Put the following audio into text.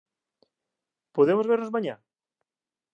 Podemos vernos mañá?